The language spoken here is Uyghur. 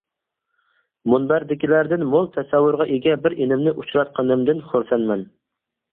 مۇنبەردىكىلەردىن مول تەسەۋۋۇرغا ئىگە بىر ئىنىمنى ئۇچراتقىنىمدىن خۇرسەنمەن.